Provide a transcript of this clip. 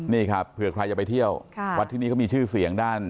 นี่ครับเผื่อใครจะไปเที่ยววัดที่นี่เขามีชื่อเสียงด้าน